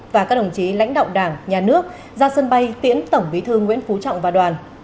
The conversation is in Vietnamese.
và các đồng chí lãnh đạo đảng nhà nước ra sân bay tiễn tổng bí thư nguyễn phú trọng và đoàn